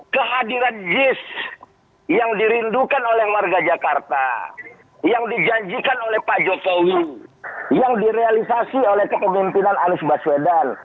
kehadiran jis yang dirindukan oleh warga jakarta yang dijanjikan oleh pak jokowi yang direalisasi oleh kepemimpinan anies baswedan